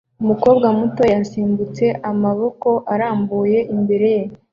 Umukobwa muto yasimbutse amaboko arambuye imbere ye